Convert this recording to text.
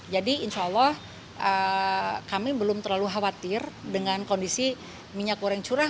jadi insya allah kami belum terlalu khawatir dengan kondisi minyak goreng curah